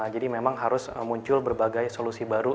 jadi memang harus muncul berbagai solusi baru